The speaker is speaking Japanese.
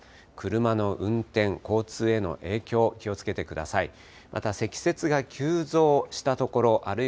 車の運転、交通への影響、気をつけてください。